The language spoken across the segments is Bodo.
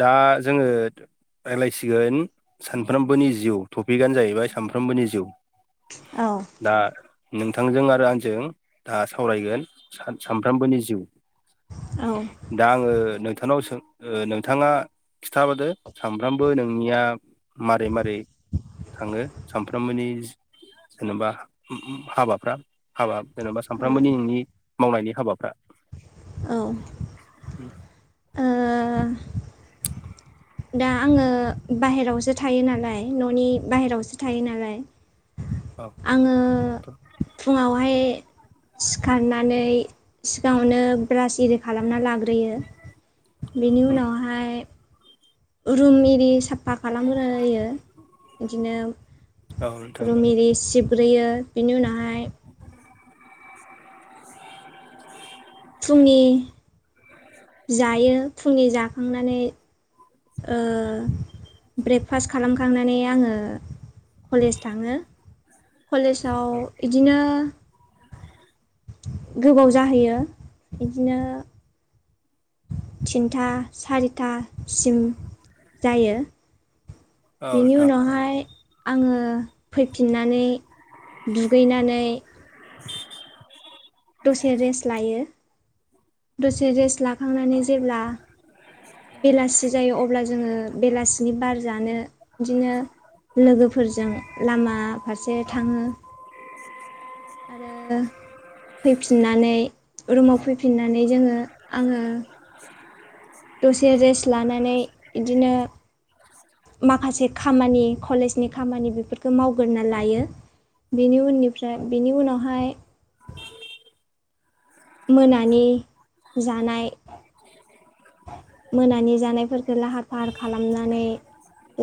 दा जोङो रायलायसिगोन सानफ्रोमबोनि जिउ, टपिकआनो जाहैबाय सानफ्रोमबोनि जिउ। औ। दा नोंथांजों आरो आंजों दा सावरायगोन सा-सामफ्रोमबोनि जिउ। ओ दा आङो नोंथांनाव सों ओ नोंथाङा खिथाबोदो सामफ्रामबो नोंनिया मारै मारै थाङो सामफ्रोमबोनि जेनेबा उम हाबाफ्रा हाबा जेन'बा औ सानफ्रामबोनि नोंनि मावनायनि हाबाफ्रा। औ। उ [inaudible] ओ दा आङो बाहेरावसो थायो नालाय न'नि बाहेरायावसो थायो नालाय आङो फुङावहाय सिखारनानै सिगाङावनो ब्रास इरि खालामना लाग्रोयो। बेनि उनावहाय रुम एरि साफा खालामग्रोयो। इदिनो औ नोंथां रुम एरि सिबग्रोयो बिनि उनावहाय [inaudible] फुंनि जायो। फुंनि जाखांनानै ओ ब्रेकफास्ट खालामखांनानै आङो कलेज थाङो कलेजाव इदिनो गोबाव जाहैयो इदिनो थिनथा सारिथा सिम जायो औ बेनि नोंथां औ उनावहाय आङो फैफिननानै दुगैनानै दसे रेस्ट लायो, दसे रेस्ट लाखांनानै जेब्ला बेलासि जायो अब्ला जोङो बेलासिनि बार जानो इदिनो लोगोफोरजों लामा फारसे थाङो आरो फैफिननानै रुमाव फैफिननानै जोङो आङो दसे रेस्ट लानानै इदिनो माखासे खामानि कलेजनि खामानि बेफोरखौ मावगोरना लायो। बेनि उननिफ्राय बेनि उनावहाय मोनानि जानाय मोनानि जानायफोरफोरखौ लाहार फाहार खालामनानै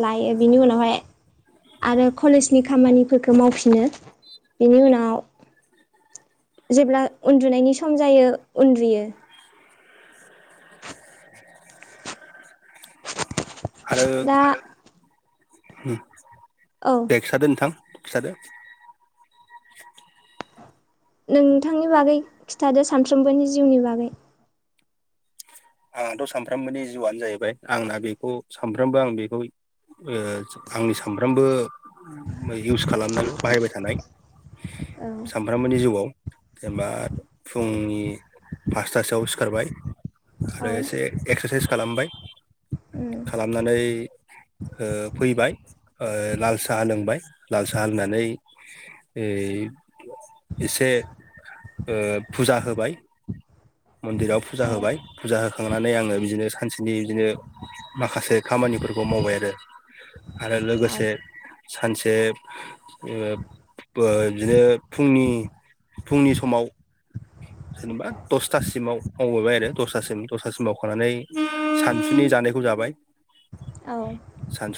लायो। बिनि उनावहाय आरो कलेजनि खामानिफोरखौ मावफिनो। बेनि उनाव जेब्ला उन्दुनायनि सम जायो उन्दुयो। आरो दा उम औ दे खिथादो नोंथां। खिथादो। नोंथांनि बागै खिथादो सानफ्रोमबोनि जिउनि बागै। आंथ' सानफ्रामबोनि जिउआनो जाहैबाय आंना बेखौ सानफ्रामबो आं बेखौ ओ आंनि सानफ्रामबो इउस खालामनाय बाहायबाय थानाय औ सामफ्रामबोनि जिउआव जेनेबा फुंनि फासथासोआव सिखारबाय आरो औ एसे एक्सारसाइस खालामबाय उम खालामनानै ओ फैबाय ओ लाल साहा लोंबाय लाल साहा लोंनानै ओइ एसे ओ फुजा होबाय मन्दिराव फुजा औ होबाय फुजा हो खांनानै आङो बिदिनो सानसेनि बिदिनो माखासे खामानिफोरखौ मावबाय आरो आरो औ लोगोसे सानसे ओ बो बिदिनो फुंनि फुंनि समाव जेनेबा दसथासिमाव मावबोबाय आरो दसथासिम दसतासिम मावखांनानै सानसुनि जानाय खौ जाबाय। औ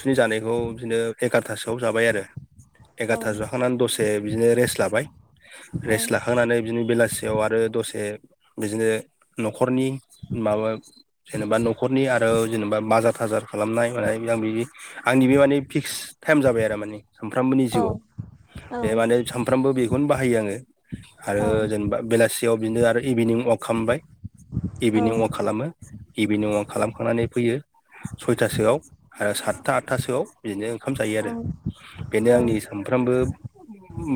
बिनि जानायखौ बिदिनो एगार'थासोआव जाबाय आरो औ एगारथासो जाखांनानै द से बिदिनो रेस्ट लाबाय रेस्ट लाखांनानै बिदिनो बेलासियाव आ रो दसे बिदिनो न'खरनि माबा जेनेबा न'खरनि आरो जेनेबा बाजार थाजार खालामनाय मानाय आं बि आंनि बे माने फिक्स टाइम जाबाय आरो माने। सानफ्रामबोनि औ जिउआव बे माने सानफ्रामबो बेखौनो बाहायो आङो। आरो औ जेनेबा बेलासियाव बिदिनो आरो इभिनिं अवाक खालामबाय। औ ओ इभिनिं अवाक खालामो इभिनिं अवाक खालामखांनानै फैयो। सयथासोआव आरो सातथा आठथासोआव बिदिनो ओंखाम जायो औ आरो औ बेनो आंनि सामफ्रामबो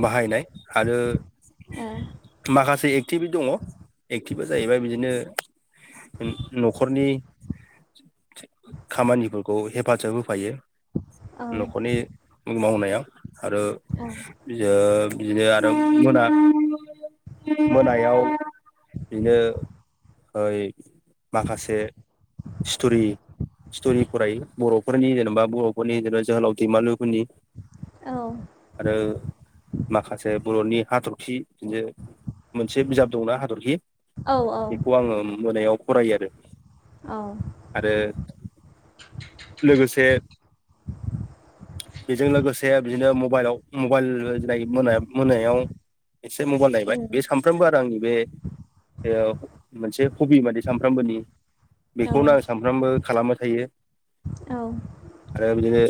बाहायनाय आरो ओ माखासे एक्टिभ दङ एक्टिभआ जाहैबाय बिदिनो न'खरनि खामानिफोरखौ हेफाजाब होफायो औ नखरनि मावनायाव आरो ओ बिदिनो आरो मोना। [inaudible] नायाव बिदिनो ओइ माखासे। स्टरि स्ट'रि फरायो बर'फोरनि जेनेबा बर'फोरनि जेनेबा जोहोलाव दैमालुफोरनि औ। ओ माखासे बर'नि हाथरखि बिदिनो। मोनसे बिजाब दंना हादरखि औ बेखौ आंङो मोनायाव फरायो आरो। आरो लोगोसे बेजों लोगोसे बिदिनो मबाइलाव मबाइल नायो मोना- मोनायाव। एसे मबाइल नायबाय बे सानफ्रोमबो आरो आंनि बे रो मोनसे हबि माने सामफ्रामबोनि। बेखौनो आं सानफ्रामबो खालामबाय थायो। औ। आरो बिदिनो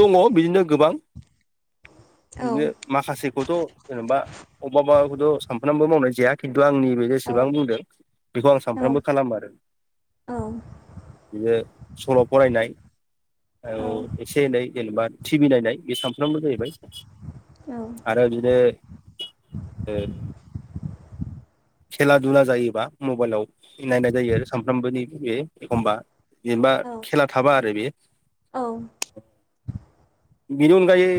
दङ बिदिनो गोबां बिदिनो माखासे खौथ' जेनेबा अबेबा अबेबा बेखौथ' सानफ्रामबो मावनाय जाया खिन्थु आंनि बे जेसेबां बुंदों बेखौ आं सानफ्रामबो खालामो आरो। औ। बिनो सल' फरायनाय। औ एसे एनै जेनेबा टिभि नायनाय बे सानफ्रामबो जाहैबाय। आरो बिदिनो ए [inaudible] खेला दुला जायोबा मबाइलाव नायनाय जायो आरो सानफ्रामबोनि बे एखमबा। जेनेबा औ खेला थाबा आरो बे। औ। बेनि अनगायै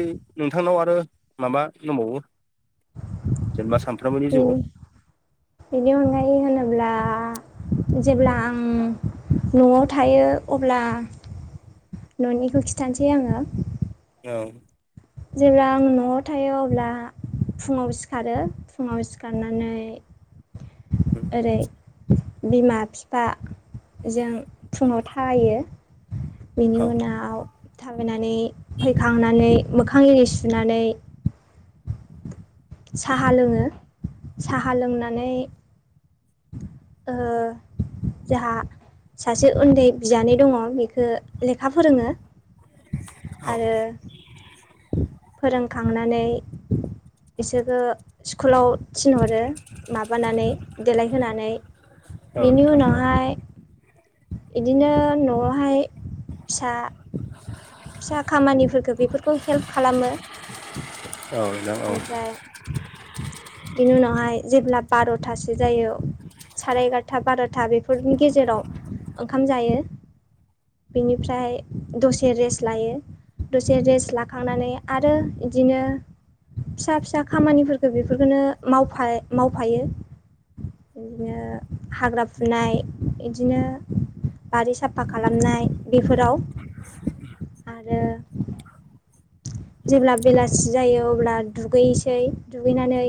नोंथांनाव आरो माबा दंबावो। जेनबा साम बिन बिनि अनगायै होनोब्ला। जेब्ला आं न'आव थायो अब्ला। न'निखौ खिथानोसै आंङो। औ। जेब्ला आं न'आव थायो अब्ला। फुङाव सिखारो फुङाव सिखारनानै। ओरै बिमा बिफा। जों फुङाव थाबायो। बेनि औ उनाव थाबायनानै फैखांनानै। मोखां एरि सुनानै। साहा लोंङो साहा लोंनानै। ओ। जोंहा सासे उन्दै बियानै दङ बेखौ लेखा फोरोंङो। औ आरो। फोरोंखांनानै बिसोरखौ स्कुलाव थिनहरो माबानानै देलायहोनानै औ बेनि नोंथां औ उनावहाय। बिदिनो न'आवहाय फिसा। फिसा खामानिफोरखौ बेफोरखौ हेल्प खालामो। औ नोंथां औ ओमफ्राय बेनि उनावहाय जेब्ला बार'थासो जायो। साराय एगारथा बार'था बेफोरनि गेजेराव ओंखाम जायो। बेनिफ्राय दसे रेस्ट लायो। दसे रेस्ट लाखांनानै आरो बिदिनो फिसा फिसा खामानिफोरखोनो बेफोरफोरखोनो मावफा मावफायो। बिदिनो हाग्रा फुनाय इदिनो बारि साफा खालामनाय बेफोराव आरो जेब्ला बेलासि जायो अब्ला दुगैसै दुगैनानै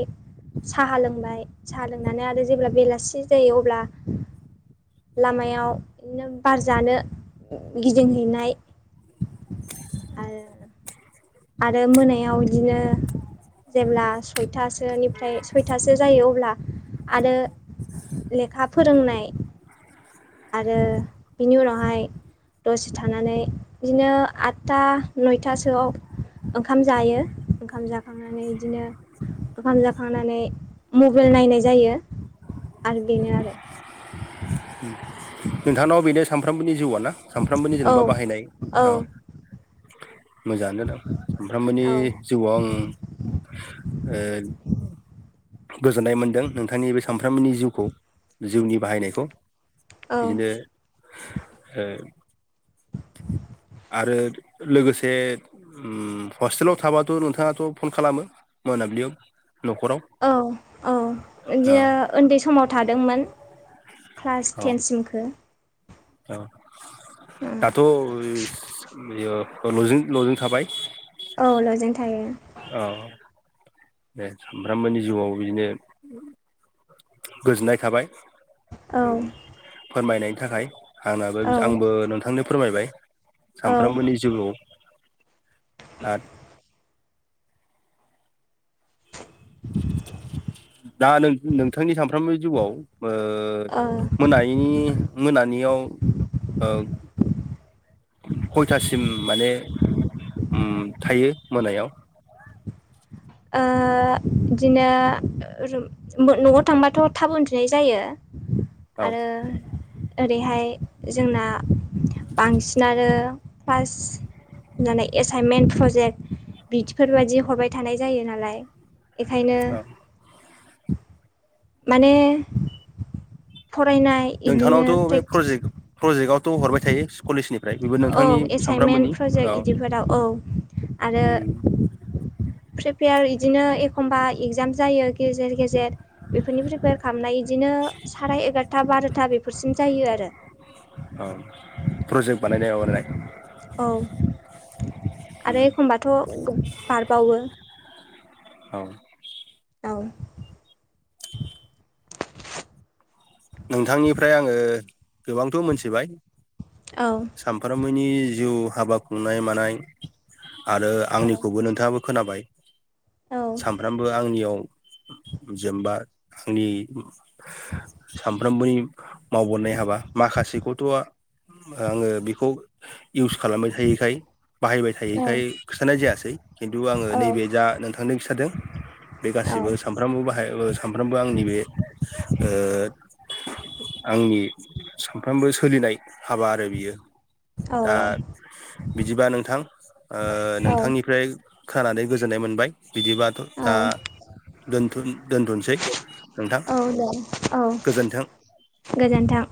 साहा लोंबाय साहा लोंनानै आरो जेब्ला बेलासि जायो अब्ला लामायाव इदिनो बार जानो गिदिंहैनाय। आरो आरो मोनायाव इदिनो जेब्ला सयथासोनिफ्राय सयथासो जायो अब्ला आरो लेखा फोरोंनाय आरो बिनि उनावहाय दसे थानानै बिदिनो आदथा नयथासोआव ओंखाम जायो ओंखाम जाखांनानै इदिनो, ओंखाम जाखांनानै मबाइल नायनाय जायो आरो बेनो आरो। [unintelligible] नोंथांनाव बेनो सानफ्रामबोनि जिउआ ना सानफ्रामबोनि औ जेनेबा बाहायनाय औ। मोजाङानो दां सानफ्रामबोनि औ औ जिउआव आं ओ उम गोजोननाय मोनदों नोंथांनि बे सानफ्रोमबोनि जिउखौ जिउनि बाहायनायखौ। बिदिनो ओ आरो लोगोसे ओम हस्टेलाव थाबाथ' नोंथाङाथ' फन खालामो मोनाबिलि [unintelligible] औ औ औ इदिनो उन्दै समाव थादोंमोन। क्लास औ टेनसिमखौ। औ दाथ' ल-लजों थाबाय? औ ल'जों थायो। औ बे सामफ्रामबोनि जिउआव बिदिनो गोजोननाय थाबाय। औ फोरमायनायनि थाखाय आंनाबो आंबो औ नोंथांनो फोरमायबाय। ओ सानफ्रोमबोनि जिउआव आ [inaudible] दा नों नोंथांनि सानफ्रोमबो जिउआव ओ ओ मोनायिनि मोना नियाव ओ खयथासिम माने ओम थायो मोनायाव ओ बिदिनो न'आव थांबाथ' थाबो उन्दुनाय जायो। औ आरो ओरैहाय जोंना बांसिनानो फस होननानै एसाइनमेन्ट प्रजेक्ट बिदिफोर बाददि हरबाय थानाय जायो नालाय बेखायनो औ माने फरायनाय बिदिनो प्रेक्टिस थ' हरबाय थायो कलेजनि औ एसाइनमेन्ट प्रजेक्ट बिदिफोराव औ आरो उम [inaudible] प्रिपेयार इदिनो एखम्बा एगजाम जायो गेजेर गेजेर बेफोरनि प्रिपेयार खालामनाय बिदिनो साराय एगार'था बार'था बेफोरसिम जायो आरो। औ प्रजेक्ट बानायनाय बानायलाय औ आरो उम एखमबाथ' बारबावो। औ औ नोंथांनिफ्राय आङो गोबांथ मोनथिबाय औ सामफ्रोमबो नि जिउ हाबा खुंनाय मानाय आरो आंनिखौबो नोंथाङाबो खोनाबाय औ सानफ्रामबो आंनियाव जेनबा आंनि सानफ्रोमबोनि मावबोननाय हाबा माखासेखौथ आ आङो बेखौ इउस खालामबाय थायैखाय बाहायबाय थायैखाय खिथानाय जायासै खिन्थु आङो औ नैबे जा नोंथांनो खिथादों बे गासिबो सामफ्रामबो बाहाय ओ सामफ्रामबो आंनि बे ओ आंनि सामफ्रामबो सोलिनाय हाबा आरो बियो दा बिदिबा नोंथां ओ औ नोंथांनिफ्राय खानानै गोजोननाय मोनबाय बिदिबाथ दा औ दोथ दोनथसै नोंथां गोजोन्थों। गोजोनथों